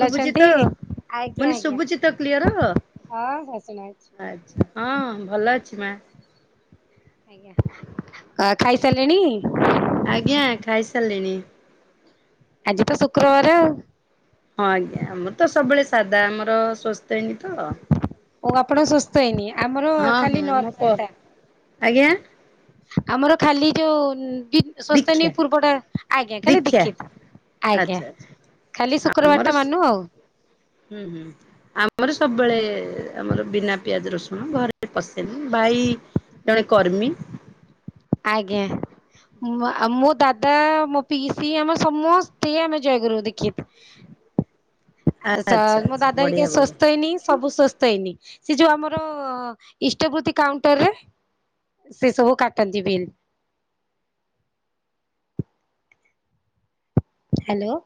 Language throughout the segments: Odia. ଶୁଭୁଚି ତ ଆଜ୍ଞା ମାନେ ଆଜ୍ଞା। ଶୁଭୁଚି ତ କ୍ଲିୟର? ହଁ ଆଚ୍ଛା [unintelligible] ହଁ ଭଲ ଅଛି ମା। ଆଜ୍ଞା ଖାଇ ସାରିଲେଣି? ଆଜ୍ଞା ଖାଇ ସାରିଲିଣି। ଆଜି ତ ଶୁକ୍ରବାର ଆଉ। ହଁ ଆଜ୍ଞା ଆମର ତ ସବୁବେଳେ ସାଧା। ଆମର ଶ୍ଵସ୍ଥୟିନୀ ତ। ଓ ଆପଣ ସ୍ୱସ୍ଥୟୀନି ଆମର ହଁ ଖାଲି ହଁ ମୋ ପ ନର୍ମାଲ ଟା। ଆଜ୍ଞା ଆମର ଖାଲି ଯୋଉ ଡି ଦୀକ୍ଷା ସ୍ୱସ୍ତିୟିନୀ ପୂର୍ବଟା ଆଜ୍ଞା ଖାଲି ଦୀକ୍ଷା ଦୀକ୍ଷିତ ଆଜ୍ଞା। ଆଚ୍ଛା ଆଚ୍ଛା। ଖାଲି ଆମର ଶୁକ୍ରବାରଟା ମାନୁ ଆଉ। ହୁଁ ହୁଁ ଆମର ସବୁବେଳେ ଆମର ବିନା ପିଆଜ ରସୁଣ। ଘରେ ପସେନି। ଭାଇ ଜଣେ କର୍ମୀ। ଆଜ୍ଞା। ମୋ ଦାଦା ମୋ ପିଇସି ଆମ ସମସ୍ତେ ଆମେ ଜୟଗୁରୁ ଦିକ୍ଷୀତି। [inaudible] ସ ଆଚ୍ଛା ମୋ ଆଚ୍ଛା ଦାଦା ହେରିକା ବଢିଆ ବଢିଆ। ଶ୍ଵସ୍ଥୟିନୀ ସବୁ ସ୍ୱସ୍ତୟିନୀ। ସେ ଯୋଉ ଆମର ଇଷ୍ଟବୃତ୍ତି କାଉଣ୍ଟର ରେ। ସେ ସବୁ କାଟ କାଟନ୍ତି ବିଲ୍। Hello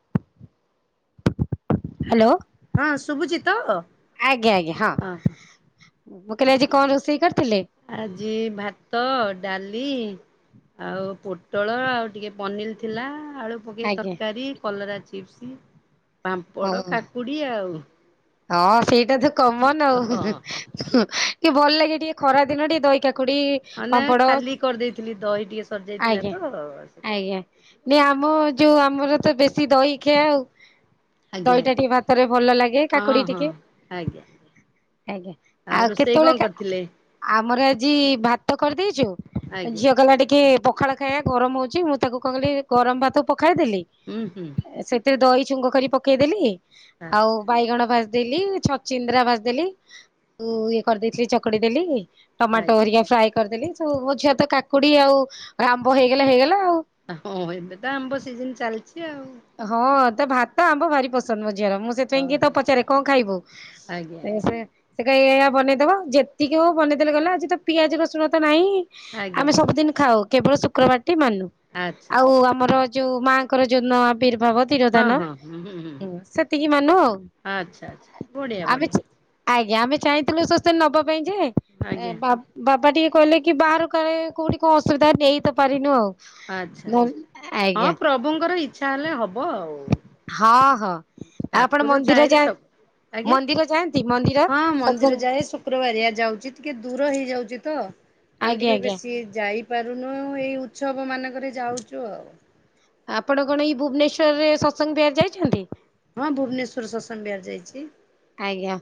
hello. ହଁ ଶୁଭୁଛି ତ ଅହୋ। ଆଜ୍ଞା ଆଜ୍ଞା ହଁ। ମୁଁ କହିଲି ଆଜି କଣ ରୋଷେଇ କରିଥିଲେ? ଆଜି ଭାତ ଡାଲି ଆଉ ପୋଟଳ ଆଉ ଟିକେ ପନିର ଥିଲା ଆଳୁ ପକେଇ ଆଜ୍ଞା ତରକାରୀ କଲରା ଚିପ୍ସ ହଁ ପାମ୍ପଡ କାକୁଡି ଆଉ। ହଁ ସେଇଟା ତ କମନ ଆଉ। ହଁ [unintelligible] କି ଭଲ ଲାଗେ ଟିକେ ଖରା ଦିନ ଟିକେ ଦହି କାକୁଡି ମାନେ ପାମ୍ପଡ ଖାଲି କରିଦେଇଥିଲି। ଦହି ଟିକେ ସରିଯାଇଥିଲା ଆଜ୍ଞା ତ। ଆଜ୍ଞା। କରିଦେଇଥିଲି ନାଇ ଆଉ। ଆମ ଯୋଉ ଆମର ତ ବେଶୀ ଦହି ଖିଆ ଆଉ। ଆଜ୍ଞା ଦହିଟା ଆଜ୍ଞା ଟିକେ ଭାତରେ ଭଲ ଲାଗେ। କା ହଁ କାକୁଡି ହଁ ଟିକେ। ଆଜ୍ଞା ଆଜ୍ଞା ଆଉ ରୋଷେଇ କେତେବେଳେ କଣ କା କରିଥିଲେ ଆମର ଆଜି ଭାତ କରିଦେଇଛୁ। ଆଜ୍ଞା ଝିଅ କଲା ଟିକେ ପଖାଳ [unintelligible] ଗରମ ହଉଛି ମୁଁ ତାକୁ କଣ କଲି ଗରମ ଭାତ ପଖାଳି ଦେଲି। ହୁଁ ହୁଁ। ସେଥିରେ ଦହି ଛୁଙ୍ଗ କରି ପକେଇଦେଲି। ଆଉ ଆଚ୍ଛା ବାଇଗଣ ବାଜିଦେଲି ଛଚିନ୍ଦ୍ରା ବାଜିଦେଲି। ଆଉ ଇଏ କରିଦେଇଥିଲି ଚକଡି ଦେଲି। ଟମାଟୋ ଆଜ୍ଞା ଓରିକା ଫ୍ରାଏ କରିଦେଲି। ତ ମୋ ଝିଅ ତ କାକୁଡି ଆଉ ଆମ୍ବ ହେଇଗଲା ହେଇଗଲା ଆଉ। ହଁ ଏବେ ତ ଆମ୍ବ ସିଜନ ଚାଲିଛି ଆଉ। ହଁ ତା ଭାତ ଆମ୍ବ ଭାରି ପସ ସନ ମୋ ଝିଅର ମୁଁ ସେଥିପାଇଁ ତ ଓହୋ ପଚାରେ କଣ ଖାଇବୁ? ଆଜ୍ଞା ଆଜ୍ଞା ଏସେ ସେ କା ଏୟ ବନେଇଦବ। ଯେତିକି ହଉ ବନେଇଦେଲେ ଗଲେ ଆଜି ତ ପିଆଜ ରସୁଣ ତ ନାହିଁ। ଆଜ୍ଞା ଆମେ ଆଜ୍ଞା ସବୁଦିନ ଖାଉ କେବଳ ଶୁକ୍ରବାରଟି ମାନୁ। ଆଚ୍ଛା ଆଉ ଆଚ୍ଛା ଆମର ଯୋଉ ମାଆଙ୍କର ଯୋଉ ନ ଆବିର୍ଭାବ ହଁ ତିରୋଧାନ ହଁ ହୁଁ ହୁଁ ହୁଁ ଉଁ ସେତିକି ମାନୁ ଆଉ ଆଚ୍ଛା ଆଚ୍ଛା ବଢ଼ିଆ ଆମେ ବଢ଼ିଆ ଆଜ୍ଞା। ଆମେ ଚାହିଁଥିଲୁ ସ୍ୱାସ୍ଥ୍ୟୟୀନି ନବା ପାଇଁ ଯେ। ଏ ଆଜ୍ଞା ବା ବାବା ଟିକେ କହିଲେ କି ବାହାର କାଳେ କୋଉଠି କଣ ଅସୁବିଧା ନେଇ ତ ପାରିନୁ ଆଉ। ଆଚ୍ଛା ଆଚ୍ଛା ଆଜ୍ଞା ହଁ ପ୍ରଭୁଙ୍କର ଇଚ୍ଛା ହେଲେ ହବ ଆଉ। ହଁ ହଁ ଆଉ ଆପଣ ଠାକୁର ମନ୍ଦିର ଚାହିଁଲେ ଯା ସବୁ ଆଜ୍ଞା ମନ୍ଦିର ଯାନ୍ତି ମନ୍ଦିର ହଁ ମନ୍ଦିର ଯାଏ ସତ୍ସଙ୍ଗ ଶୁକ୍ରବାରିଆ ଯାଉଚି ଟିକେ ଦୂର ହେଇଯାଉଚିତ ଆମେ ଆଜ୍ଞା ଟିକେ ଆଜ୍ଞା। ବେଶି ଯାଇ ପାରୁନୁ ଏଇ ଉତ୍ସବ ମାନଙ୍କରେ ଯାଉଚୁ ଆଉ। ଆପଣ କଣ ଏଇ ଭୁବନେଶ୍ଵରରେ ସତ୍ସଙ୍ଗ ବିହାର ଯାଇଛନ୍ତି? ହଁ ଭୁବନେଶ୍ୱରର ସତ୍ସଙ୍ଗ ବିହାର ଯାଇଚି। ଆଜ୍ଞା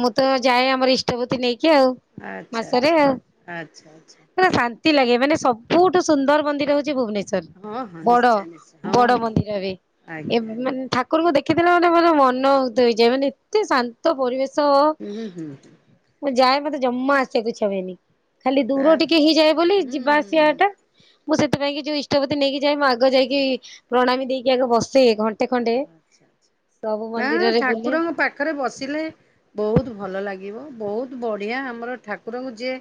ମୁତଯାଏ ଆମର ଇଷ୍ଟଭୁତି ନେଇକି ଆଉ। ଆଚ୍ଛା ମାସରେ ଆଚ୍ଛା ଆଉ। ଆଚ୍ଛା ଆଚ୍ଛା। ପୁରା ଶାନ୍ତି ଲାଗେ ମାନେ ସବୁଠୁ ସୁନ୍ଦର ମନ୍ଦିର ହଉଚି ଭୁବନେ ଶ୍ବର ହଁ ହଁ ବଡ଼ ନିଶ୍ଚୟ ନିଶ୍ଚୟ ହଁ ବଡ଼ ହଁ ମନ୍ଦିରବି ଆଜ୍ଞା। ଏବେ ମାନେ ଠକୁ ଠାକୁରଙ୍କୁ ଦେଖିଥିଲା ମାନେ ପୁରା ମନଉଦୟ ହେଇଯାଏ ମାନେ ଏତେ ଶା ଶାନ୍ତ ପରିବେଶ ହୁଁ ହୁଁ ହୁଁ ହୁଁ। ମୁଯାଏ ମତେ ଜମା ଆସିବାକୁ ଇଛା ହୁଏନି। ଖାଲି ଦୂର ଟିକେ ହେଇଯାଏ ବୋଲି ଯିବା ଆସିବା ହୁଁ। ଟା ମୁଁ ସେଥିପାଇକି ଯୋଉ ଇଷ୍ଟଭୁତି ନେଇକି ଯାଏ ମୁଁ ଆଗ ଯାଇକି ପ୍ରଣାମୀ ଦେଇକି ଆଗ ବସେ ଘ ଘଣ୍ଟେ ଖଣ୍ଡେ ଆଚ୍ଛା ଆଚ୍ଛା ସବୁ ନା ମନ୍ଦିରରେ ବୁଲେ ଠାକୁରଙ୍କ ପାଖରେ ବସିଲେ ବହୁତ୍ ଭଲ ଲାଗିବ ବହୁତ୍ ବଢ଼ିଆ ଆମର ଠାକୁରଙ୍କୁ ଯିଏ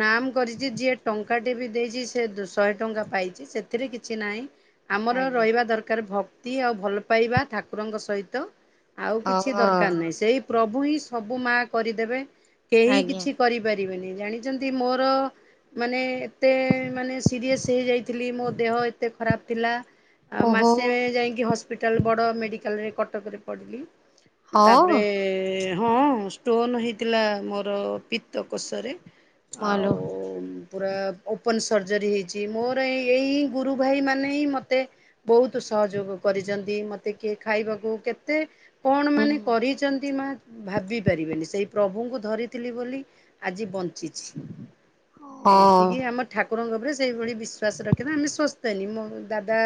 ନାମ୍ କରିଚି ଯିଏ ଟଙ୍କାଟେବି ଦେଇଚି ସିଏ ଦୁ ଶହେ ଟଙ୍କା ପାଇଚି ସେଥିରେ କିଛି ନାହିଁ। ଆମର ଆଜ୍ଞା ରହିବା ଦରକାର ଭକ୍ତି ଆଉ ଭଲ ପାଇବା ଠାକୁରଙ୍କ ସହିତ ଆଉ କିଛି ହଁ ଦରକାର ନାହିଁ ସେଇ ପ୍ରଭୁହିଁ ସବୁ ମା କରିଦେବେ କେହି ଆଜ୍ଞା କିଛି କରିବେ ପାରିବେନି ଜାଣିଚନ୍ତି ମୋର ମାନେ ଏତେ ମାନେ ସିରିଅସ୍ ହେଇଯାଇଥିଲି ମୋଦେହ ଏତେ ଖରାପ୍ ଥିଲା ଆ ଓହୋ ମାସେ ଯାଇକି ହସ୍ପିଟାଲ୍ ବଡ଼ ମେଡ଼ିକାଲରେ କଟକରେ ପଡ଼ିଲି ତାପରେ ହଁ ହଁ ଷ୍ଟୋନ ହେଇଥିଲା ମୋର ପିତକଷରେ ଆଉ ମାଲୋ ପୁରା ଓପନ ସର୍ଜରୀ ହେଇଚି ମୋର ଏ ଏଇ ଗୁରୁ ଭାଇ ମାନେହିଁ ମୋତେ ବହୁତ୍ ସହଯୋଗ କରିଚନ୍ତି ମତେ କିଏ ଖାଇବାକୁ କେତେ କଣ ହୁଁ ମାନେ କରିଚନ୍ତି ମା ଭାବି ପାରିବେନି ସେଇ ପ୍ରଭୁଙ୍କୁ ଧରିଥିଲି ବୋଲି ଆଜି ବଞ୍ଚିଛି ହଁ ଏତିକି ଆମ ଠାକୁରଙ୍କ ଉପରେ ସେଇଭଳି ବିଶ୍ୱଵାସ ରଖିବା ଆମେ ସସ୍ଥତେନି ମୋ ଦାଦା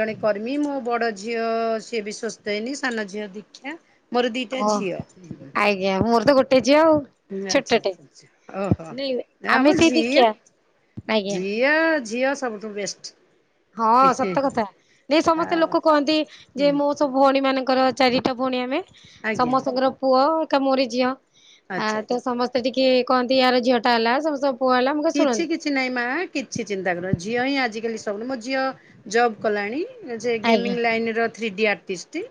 ଜଣେ କର୍ମୀ ମୋ ବଡ଼ ଝିଅ ସିଏବି ସସ୍ଥତେନି ସାନ ଝିଅ ଦୀକ୍ଷା ମୋର ଦିଟା ହଁ ଝିଅ ଆଜ୍ଞା ମୋରତ ଗୋଟେ ଝିଅ ଆଉ। ଆଚ୍ଛା ଛୋଟଟେ ଆଛା ଓହୋ ନାଇଁ ଆମେ ନାଆମ ସେଇ ଝିଅ ଦୀକ୍ଷା ଝି ଆଜ୍ଞା ଝିଅ ଝିଅ ସବୁଠୁ ବେଷ୍ଟ। ହଁ ସତ କଥା ଏସମସ୍ତେ ଆଉ ଲୋକ କହନ୍ତି ହୁଁ ଯେମୁ ସବୁ ଭଉଣୀ ମାନଙ୍କର ଚାରିଟା ଭଉଣୀ ଆମେ ଆଜ୍ଞା ଆଜ୍ଞା ସମସ୍ତଙ୍କର ପୁଅ ଏକା ମୋରି ଝିଅ ଆ ଆଚ୍ଛା ଆଚ୍ଛା ତ ସମସ୍ତେ ଟିକେ କହନ୍ତି ୟାର ଝିଅଟା ହେଲା ସମସ୍ତଙ୍କ ପୁଅ ହେଲା ମୁ କିଛି କିଛି ନାଇଁ ମା କିଛି ଚିନ୍ତା କରୁନି ଝିଅହିଁ ଆଜିକାଲି ସବୁନୁ ମୋ ଝିଅ ଜବ୍ କଲାଣି। ଆଜ୍ଞା ଗେମିଙ୍ଗ ଲାଇନର ଥ୍ରୀଡି ଆଟିଷ୍ଟ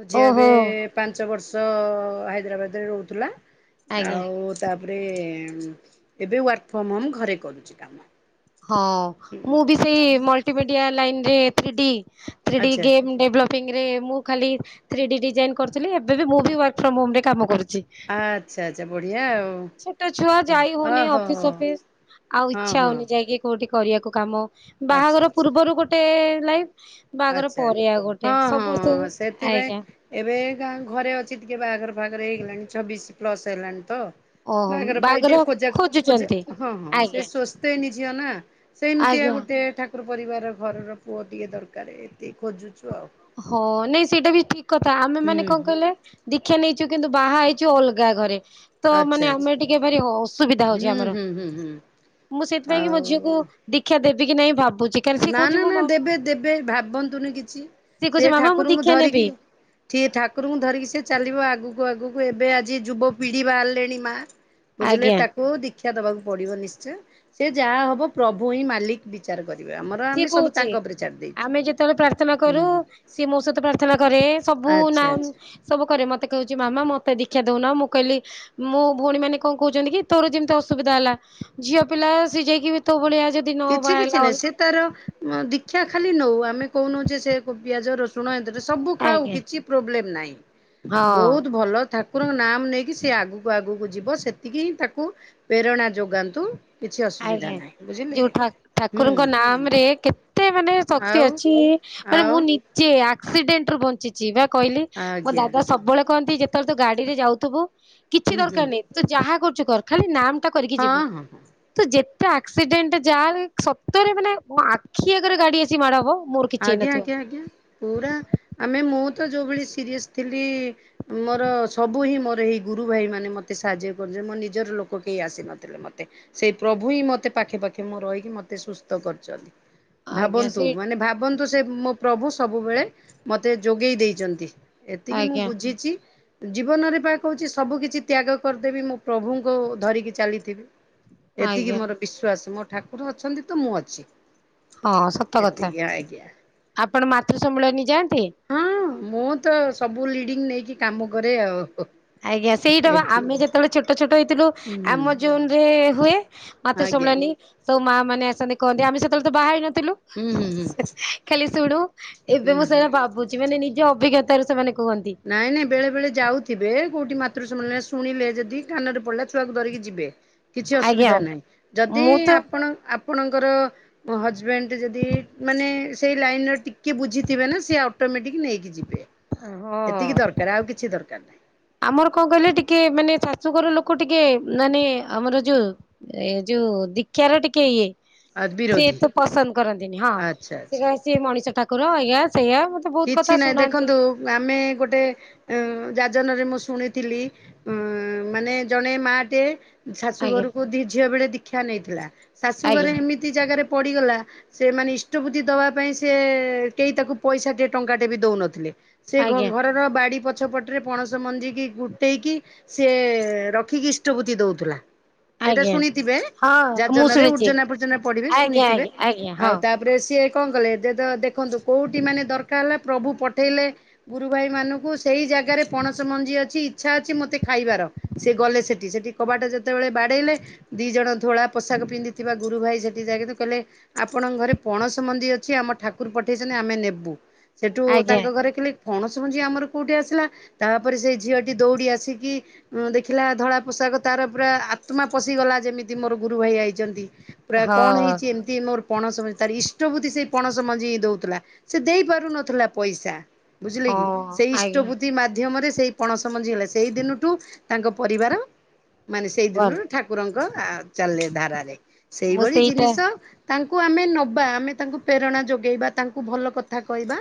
ମୋଝିଅ ଏବେ ଓହୋ ପାଞ୍ଚ ବର୍ଷ ହାଇଦ୍ରାବାଦରେ ରହୁଥିଲା ଆଜ୍ଞା ଆଉ ତାପରେ ଏବେ ୱାର୍କ ଫ୍ରମ୍ ହୋମ୍ ଘରେ କରୁଚି କାମ। ହଁ ହୁଁ ମୁବି ସେଇ ମଲିଟିମିଡ଼ିଆ ଲାଇନରେ ଥ୍ରି ଡି ଥ୍ରି ଡି ଆଚ୍ଛା ଗେମ୍ ଡେଭଲପିଂ ରେ ମୁଁ ଖାଲି ଥ୍ରୀ ଡି ଡିଜାଇନ୍ କରୁଥିଲି ଏବେବି ମୁବି ୱାର୍କ ଫ୍ରର୍ମ ହୋମରେ କାମ କରୁଚି। ଆଚ୍ଛା ଆଚ୍ଛା ବଢିଆ ଆଉ। ଛୋଟ ଛୁଆ ଓହୋ ଯାଇହୋଉନି ହୋ ଅଫିସ୍ ଫଫିସ୍। ଆଉ ହଁ ଇଚ୍ଛା ହଁ ହଉନି ଯାଇକି କୋଉଠି କରିବାକୁ କାମ ଆଚ୍ଛା ବାହାଘର ଆଚ୍ଛା। ପୂର୍ବରୁ ଗୋଟେ ଲାଇଫ୍ ବାହାଘର ଆଚ୍ଛା ପରେ ଆଉ ଗୋଟେ ହଁ ସମସ୍ତୁ ହଁ ସେଥିପାଇଁ ଆଜ୍ଞା। ଏବେ ଗାଁ ଘରେ ଅଛି ଟିକେ ବାହାଘର ଫାହାଘରେ ହେଇଗଲାଣି ଛବିଶି ପ୍ଲସ୍ ହେଲାଣିତ ଓହୋ ବାହାଘର ପାଇ ଟିକେ ଖୋଜା ଖୋଜା ଖୋଜୁଛନ୍ତି ହଁ ହଁ ସେଇ ଆଜ୍ଞା ସ୍ଥ ନ୍ତିନ୍ ଝିଅନା ସେମିତିଆ ଆଜ୍ଞା ଗୋଟେ ଠାକୁର ପରିବାର ଘରର ପୁଅଟିକେ ଦର କାର୍ ଏତିକି ଖୋଜୁଚୁ ଆଉ। ହଁ, ନାଇଁ ସେଇଟା ବି ଠିକ୍ କଥା। ଆମେ ମାନେ କଣ ହୁଁ କହିଲେ? ଦୀକ୍ଷା ନେଇଚୁ, କିନ୍ତୁ ବାହା ହେଇଚୁ ଅଲଗା ଘରେ। ତ ଆଚ୍ଛା ମାନେ ଆଚ୍ଛା ଆମେ ଟିକେ ଭାରି ଅସୁବିଧା ହଉଚି ହୁଁ ଆମର। ହୁଁ ହୁଁ ହୁଁ ମୁଁ ସେଥିପାଇଁ କି ମୋ ଝିଅକୁ ଆଉ ଦୀକ୍ଷା ଦେବି କି ନାଇଁ ଭାବୁଚି! ନା, ନା, ନା ଦେବେ, ଦେବେ। ଭାବନ୍ତୁନି କିଛି, ସିଏ କହୁଛି ସେ ମାମା ମୁଁ ଠାକୁରୁଙ୍କୁ ଦୀକ୍ଷା ନେବି ଧରିକି ସିଏ ଠାକୁରଙ୍କୁ ଧରିକି ସେ ଚାଲିବ, ଆଗକୁ ଆଗକୁ ଏବେ ଆଜି ଯୁବପିଢି ବାହାରିଲେଣି ମାଆ। ବୁଝିଲେ, ଆଜ୍ଞା ତାକୁ ଦୀକ୍ଷା ଦବାକୁ ପଡିବ ନିଶ୍ଚୟ। ସେ ଯାହା ହବ ପ୍ରଭୁ ହିଁ ମାଲିକ ବିଚାର କରି ସିଏ କହୁଚି, ଆମେ ଯେତେବେଳେ ପ୍ରାର୍ଥନା କରୁ, ହୁଁ ସିଏ ମୋ ସହିତ ପ୍ରାର୍ଥନା କରେ। ସବୁ ଆଚ୍ଛା ନାମ୍ ଆଚ୍ଛା ସବୁ କରେ। ମତେ କହୁଛି, ମାମା ମତେ ଦୀକ୍ଷା ଦଉନ। ମୁଁ କହିଲି ମୋ ଭଉଣୀ ମାନେ କଣ କହୁଛନ୍ତି କି! ତୋର ଯେମିତି ଅସୁବିଧା ହେଲା, ଝିଅ ପିଲା ସେ ଯାଇକି ବି ତୋ ଭଳିଆ ଯେ କିଛି କିଛି ନାହିଁ। ସେ ତାର ଦୀକ୍ଷା ଖାଲି ନଉ, ଆମେ କହୁନୁ ଯେ ସେ ପିଆଜ ରସୁ ସୁଣ ଏଥିରେ ସବୁ ଖାଉ। ଆଜ୍ଞା କିଛି ପ୍ରୋବ୍ଲେମ୍ ନାହିଁ। ହଁ। ବହୁତ୍ ଭଲ ଠା ଠାକୁର ଙ୍କ ନାମ୍ ନେଇକି ସେ ଆଗକୁ ଆଗକୁ ଯିବ। ସେତିକି ହିଁ ତାକୁ ପେରଣା ଯୋଗାନ୍ତୁ। କିଛି ଅସୁବିଧା ଆଜ୍ଞା ନାହିଁ। ବୁଝିଲେ! ଯୋଉ ଠା ହୁଁ ଠାକୁରଙ୍କ ନାମ୍ ରେ କେତେ ମାନେ ଶକ୍ତି ଆଉ ଅଛି। ମାନେ ଆଉ ମୁଁ ନି ଯେ ଆକ୍ସିଡେଣ୍ଟ ରୁ ବଞ୍ଚିଛି, ବା କହିଲି ମୋ ଆଜ୍ଞା ଦାଦା ସବୁବେଳେ କହନ୍ତି ଯେ ତର ତୁ ଗାଡିରେ ଯାଉଥିବୁ କିଛି ହୁଁ ହୁଁ ଦରକାର ନାହିଁ। ତୁ ଯାହା କରୁଚୁ କର ଖାଲି ନାମ ଟା କରିକି ଯିବୁ। ହୁଁ, ହୁଁ। ତୁ ଯେତେ ଆକ୍ସିଡେଣ୍ଟ ଯା ସତରେ ମାନେ ମୋ ଆଖି ଆଗରେ, ଗାଡି ଆସି ମାଡ ହବ। ମୋର କିଛି ଆଜ୍ଞା, ହେଇନଥିବ। ଆଜ୍ଞା, ଆଜ୍ଞା, ପୁରା ଆମେ, ମୁଁ ତ ଯୋଉଭଳି ସିରିଏସ୍ ଥିଲି ମୋର ସବୁ ହିଁ ମୋର ଏହି ଗୁରୁ ଭାଇ ମାନେ ମତେ ସାହାଯ୍ୟ କରିଚନ୍। ମୋ ନିଜର ଲୋକ କେହି ଆସିନଥିଲେ। ମତେ ସେଇ ପ୍ରଭୁ ହିଁ ମତେ ପାଖେ ପାଖେ, ମୋ ରହିକି ମତେ ସୁସ୍ଥ କରିଚନ୍ତି। ଆଜ୍ଞା ଭାବନ୍ତୁ! ସେ ମାନେ ଭାବନ୍ତୁ, ସେ ମୋ ପ୍ରଭୁ ସବୁବେଳେ ମତେ ଯୋଗେଇ ଦେଇଚନ୍ତି। ଏତିକି ମୁଁ ଆଜ୍ଞା ବୁଝିଚି। ଜୀବନରେ ପା କହୁଛି, ସବୁ କିିଛି ତ୍ୟାଗ କରିଦେବି। ମୁଁ ପ୍ରଭୁଙ୍କୁ ଧରିକି ଚାଲିଥିବି। ଏତିକି ଆଜ୍ଞା ମୋର ବିଶ୍ଵାସ! ମୋ ଠାକୁର ଅଛନ୍ତି ତ, ମୁଁ ଅଛି। ହଁ, ସତ୍ ହେତିକି ଆଜ୍ଞା। ଆପଣ ମାତୃ ସମ୍ମିଳନୀ ଯାଆନ୍ତି? ହଁ, ମୁଁ ତ ସବୁ ଲିଡିଙ୍ଗ୍ ନେଇକି କାମ କରେ ଆଉ। ଆଜ୍ଞା, ସେଇଟା ବା ଏଠି। ଆମେ ଯେତେବେଳେ ଛୋଟ ଛୋଟ ହେଇଥିଲୁ। ହୁଁ ଆମ ଜୋନ୍ ରେ ହୁଏ ମାତୃ ଆଜ୍ଞା ସମ୍ମିଳନୀ। ସବୁ ମାଆ ମାନେ ଆସନ୍ତି। କହନ୍ତି, ଆମେ ସେତେବେଳେ ତ ବାହା ହେଇନଥିଲୁ। ହୁଁ ହୁଁ ହୁଁ ଖାଲି ଶୁଣୁ, ହୁଁ ଏବେ ମୁଁ ହୁଁ। ସେଇଗା ଭାବୁ ଚି। ମାନେ ନିଜ ଅଭିଜ୍ଞତା ରୁ ସେମାନେ କୁହନ୍ତି। ନାଇଁ ନାଇଁ ବେଳେ ବେଳେ ଯାଉଥିବେ, କୋଉଠି ମାତୃ ସମ୍ମିଳନୀ ଶୁଣିଲେ ଯଦି କାନରେ ପଡିଲା ଛୁଆକୁ ଧରିକି ଯିବେ। କିଛି ଆଜ୍ଞା ଅସୁବିଧା ନାହିଁ। ଯଦି ମୁଁ ତ ଆପଣ ଆପଣଙ୍କର ହଜ୍ବେଣ୍ଡ ଯଦି ମାନେ ସେଇ ଲାଇନ୍ ର ଟିକେ ବୁଝିଥିବେ। ନା ସେ ଅଟୋମେଟିକ୍ ନେଇକି ଯିବେ। ହଁ ଏତିକି ଦରକାର ଆଉ କିଛି ଦରକାର ନାହିଁ। ଆମର କଣ କହିଲେ ଟିକେ, ମାନେ ଶାଶୁଘର ଲୋକ ଟିକେ ମାନେ ଆମର ଯୋ ଏ ଯୋଉ ଦୀକ୍ଷାର ଟିକେ ଇଏ। ଆଉ ସେ ଏ ବିରୋଧୀ ସବୁ ପସନ୍ଦ କରନ୍ତିନି, ହଁ। ଆଚ୍ଛା ସେ ଆଚ୍ଛା। ସିଏ ମଣିଷ ଠାକୁର ଏଇୟା, ସେଇୟା କିଛି ନାହିଁ, ଦେଖନ୍ତୁ, ଆମେ ଗୋଟେ ଯାଜନ ରେ ମୁଁ ଶୁଣିଥିଲି ଅଁ ମାନେ ଜଣେ ମାଆ ଟେ ଆଜ୍ଞା ଶାଶୁଘରକୁ ଦି ଝିଅ ବେଳେ ଦୀକ୍ଷା ନେଇଥିଲା। ଆଜ୍ଞା ଶାଶୁଘରେ ଏମିତ୍ ତି ଜାଗାରେ ପଡିଗଲା। ସେମାନେ ଇଷ୍ଟବୃତି ଦବା ପାଇଁ ସିଏ-ଏ କେହି ତାକୁ ପଇସା ଟିଏ ଟଙ୍କା ଟେ ବି ଦଉନଥିଲେ। ସେ ଆଜ୍ଞା। ଘରର ବାଡି ପଛପଟରେ ପଣସ ମଞ୍ଜିିକି ଗୁଟେଇକି ସିଏ ରଖିକି ଇଷ୍ଟବୃତି ଦଉଥିଲା। ଏଇଟା ଆଜ୍ଞା ଶୁଣିଥିବେ। ହଁ ମୁଁ ଯାଜନରେ ଶୁଣିଛି ଉର୍ଜନା ଫୁର୍ଜନା ପଢିବେ ଆଜ୍ଞା ଶୁଣିଥିବେ ଆଜ୍ଞା ଆଜ୍ଞା ହଁ ଆଉ ତା ତା'ପରେ ସିଏ କଣ କଲେ, ଯେ ଯ ଦେଖନ୍ତୁ କଉଁଠି ମାନେ ଦରକାର ହେଲା ପ୍ରଭୁ ପଠେଇଲେ ଗୁରୁ ଭାଇ ମାନଙ୍କୁ ସେଇ ଜାଗାରେ ପଣସ ମଞ୍ଜି ଅଛି ଇଚ୍ଛା ଅଛି ମତେ ଖାଇବାର। ସେ ଗଲେ ସେଠି ସେଠି କବାଟ ଯେତେବେଳେ ବାଡେଇଲେ ଦି ଜଣ ଧୋଳା ପୋଷାକ ପିନ୍ଧି ଥିବା ଗୁରୁ ଭାଇ ସେଠି ଯାଇକିତ କହିଲେ ଆପଣଙ୍କ ଘରେ ପଣସ ମଞ୍ଜି ଅଛି ଆମ ଠାକୁର ପଠେଇଚନ୍ତି ଆମେ ନେବୁ। ସେଠୁ ଆଜ୍ଞା ତାଙ୍କ ଘରେ ଖିଲେ ପଣସ ମଞ୍ଜି ଆମର କୋଉଠି ଆସିଲା ତାପରେ ସେଇ ଝିଅଟି ଦୌଡି ଆସିକି ଉଁ ଦେଖିଲା ଧଳା ପୋଷାକ ତାର ପୁରା ଆତ୍ମା ପଶି ଗଲା ଯେମିତି ମୋର ଗୁରୁ ଭାଇ ଆଇଚନ୍ତି। ପୁରା କଣ ହଁ ହେଇଚି ଏମିତି ମୋର ପଣସ ତାରି ଇଷ୍ଟ ବୁତି ସେଇ ପଣସମଞ୍ଜି ଦଉଥିଲା ସେ ଦେଇ ପାରୁନ ଥିଲା ପଇସା ବୁଝିଲେ କି ହଁ ସେଇ ଆଜ୍ଞା ଇଷ୍ଟବୁତି ମାଧ୍ୟମରେ ସେଇ ପଣସ ମଞ୍ଜି ହେଲା ସେଇ ଦିନଠୁ ତାଙ୍କ ପରିବାର ମାନେ ସେଇ ଭଲ ଦିନରୁ ଠା କୁକୁରଙ୍କ ଚାଲ ଲେ ଧାରାରେ ମୁଁ ସେଇଭଳି ସେଇଟା ଜିନିଷ ତାଙ୍କୁ ଆମେ ନବା ଆମେ ତାଙ୍କୁ ପ୍ରେରଣା ଯୋଗେଇବା ତାଙ୍କୁ ଭଲ କଥା କହିବା।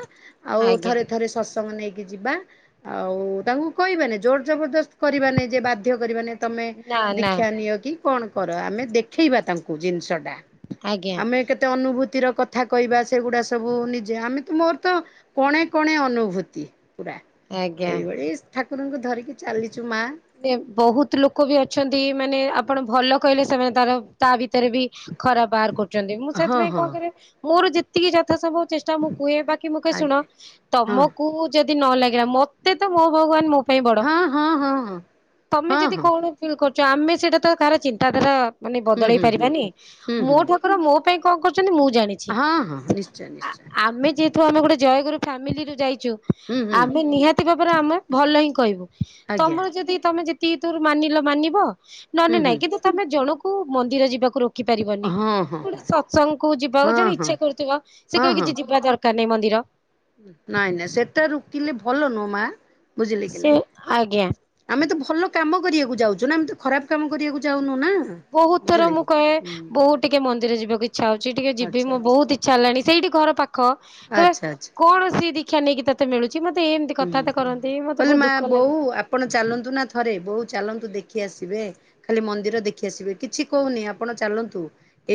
ଆଉ ଆଜ୍ଞା ଥରେ ଥରେ ଶ ତସଙ୍ଗ ନେଇକି ଯିବା ଆଉ ତାଙ୍କୁ କହିବାନି ଜୋର ଜବରଦସ୍ତ କରିବା ନେଇ ଯେ ବାଧ୍ୟ କରିବା ନେଇ ତମେ ନା ନା ଦୀକ୍ଷା ନିଅ କି କଣ କର ଆମେ ଦେଖେଇବା ତାଙ୍କୁ ଜିନିଷ ଟା। ଆଜ୍ଞା ଆମେ କେତେ ଅନୁଭୂତି ର କଥା କହିବା ସେଗୁଡା ସବୁ ନିଜେ ଆମେ ତ ମୋର ତ କଣେ କଣେ ଅନୁଭୂତି ପୁରା ଆଜ୍ଞା ଏଇଭଳି ଠାକୁରଙ୍କୁ ଧରିକି ଚାଲିଚୁ ମା। ବହୁତ୍ ଲୋକ ବି ଅଛନ୍ତି ମାନେ ଆପଣ ଭଲ କହିଲେ ସେମାନେ ତାର ତା ଭିତରେ ବି ଖରାପ୍ ବାହାର କରୁଚନ୍ତି ମୁଁ ହଁ ସେଥିପାଇଁ ହଁ କହୁଥିଲି ମୋର ଯେତିକି ଯଥା ସମ୍ଭବ ଚେ ଷ୍ଟା ମୁଁ କୁହେ ବାକି ମୁଁ କହେ ଶୁଣ ଆଜ୍ଞା ହଁ। ତମକୁ ଯଦି ନ ଲାଗିଲା ମତେ ତ ମୋ ଭଗବାନ ମୋ ପାଇଁ ବଡ ହଁ ହଁ ହଁ ହଁ। ହଁ ତମେ ହଁ ଯଦି କଣ ଫିଲ୍ କରୁଚ ଆମେ ସେଇଟା ତ କାହାର ଚିନ୍ତାଧାରା ମାନେ ହୁଁ ବଦଳେଇ ହୁଁ ହୁଁ। ପାରିବାନି ହୁଁ ହୁଁ ମୋ ଠାକୁର ମୋ ପାଇଁ କଣ କରୁଚନ୍ତି ମୁଁ ଜାଣେ। ଛି ହଁ ହଁ ନିଶ୍ଚୟ ନିଶ୍ଚୟ ଆମେ ଯେ ଫୋନ୍‌ ଗୋଟେ ଜୟଗରୁ ଫ୍ୟାମିଲି ରେ ଯାଇଚୁ ହୁଁ ହୁଁ ଆମେ ନିହାତି ଭାବରେ ଆମେ ଭଲ ହିଁ କହିବୁ। ଆଜ୍ଞା ତମର ଯଦି ତମେ ଯେତିକି ତୋର ମାନିଲ ମାନିବ ହୁଁ ନନେ ହୁଁ। ନାଇଁ କିନ୍ତୁ ତମେ ଜଣକୁ ମନ୍ଦିର ଯିବାକୁ ରୋ ଖି ପାରିବନି ହଁ ହଁ ଗୋଟେ ହଁ ସତ୍ସଙ୍ଗଙ୍କୁ ଯିବା ହଁ ଜଣେ ହଁ ଇଚ୍ଛା କରୁଥିବ ସେ ହଁ କହିବ ହଁ କି ଯିବା ଦର କାର ନାଇଁ ମନ୍ଦିର। ନାଇଁ ନାଇଁ ସେଟା ରୋକିଲେ ଭଲ ନୁହଁ ମା ବୁଝିଲେ କି ସେ ନାଇଁ। ଆଜ୍ଞା ଆମେ ତ ଭଲ କାମ କରିବାକୁ ଯାଉଛୁ ନା ଆମେ ତ ଖରାପ୍ କାମ କରିବାକୁ ଯାଉନୁ ନା। ବହୁତ୍ ଥର ବୁଝିଲେ ମୁଁ କି କହେ ହୁଁ ବହୁତ୍ ଟିକେ ମନ୍ଦିର ଯିବାକୁ ଇଚ୍ଛା ହଉଚି ଟିକେ ଯିବି ଆଚ୍ଛା ମୁ ଆଚ୍ଛା ବହୁତ୍ ଇ ଛା ଲାଣି ସେଇଠି ଘର ପାଖ କେବେ ଆଚ୍ଛା ଆଚ୍ଛା କୌଣସି ଦୀକ୍ଷା ନେଇକି ତତେ ମିଳୁ ଚି ମତେ ଏମିତି କଥା ହୁଁ। ବାର୍ତ୍ତା କରନ୍ତି ମତେ କହିଲେ ବହୁତ୍ ମା ଦୁଃଖ ଲାଗେ। ବୋଉ ଆପଣ ଚାଲନ୍ତୁ ନା ଥରେ ବୋଉ ଚାଲନ୍ତୁ ଦେଖି ଆସିବେ। ଖାଲି ମନ୍ଦିର ଦେଖି ଆସିବେ କିଛି କହୁନି ଆପଣ ଚାଲନ୍ତୁ।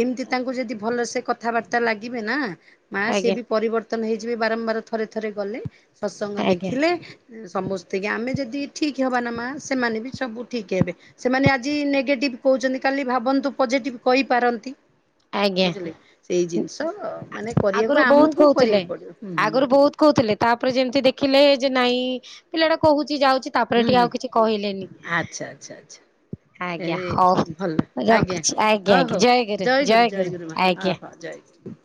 ଏମିତି ତାଙ୍କୁ ଯଦି ଭଲସେ କଥାବାର୍ତ୍ତା ଲାଗିବେ ନା ମା ସେ ଆଜ୍ଞା ବି ପରିବର୍ତ୍ତନ ହେଇଯିବେ ବାରମ୍ବାର ଥରେ ଥରେ ଗଲେ ସତ୍ସଙ୍ଗ ଆଜ୍ଞା ଦେଖିଲେ। ସମସ୍ତେ କି ଆମେ ଯଦି ଠିକ୍ ହେବ ନା ମା ସେମାନେ ବି ସବୁ ଠିକ୍ ହେବେ। ସେମାନେ ଆଜି ନେଗେଟିଭ କହୁଚନ୍ତି କାଲି ଭାବନ୍ତୁ ପଜିଟିଭ କହିପାରନ୍ତି। ଆଜ୍ଞା ବୁଝିଲେ ସେଇ ଜିନିଷ ମାନେ ଆଗରୁ କରିବାକୁ ବହୁତ ଆମକୁ କହୁଥିଲେ। କରିବାକୁ ପଡିବ ହୁଁ ହୁଁ। ଆଗରୁ ବହୁତ କହୁଥିଲେ ତାପରେ ଯେମିତି ଦେଖିଲେ ଯେ ନାଇଁ ପିଲାଟା କହୁଚି ଯାଉଚି। ତାପରେ ହୁଁ ହୁଁ ଟିକେ ହୁଁ ଆଉ କିଛି କହିଲେନି। ଆଚ୍ଛା ଆଚ୍ଛା ଆଚ୍ଛା। ଏ ଆଜ୍ଞା ହଉ ଭଲ ରଖୁଛି ଆଜ୍ଞା ଆଜ୍ଞା ଜୟ ଗୁରୁ। ଜୟ ଗୁରୁ ଜୟ ଗୁରୁ ମା ହଉ ହଉ ଜୟ ଗୁରୁ।